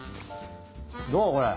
どうこれ？